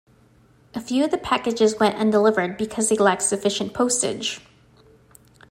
A few of the packages went undelivered because they lacked sufficient postage.